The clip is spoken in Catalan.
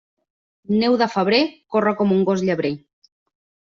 Neu de febrer, corre com un gos llebrer.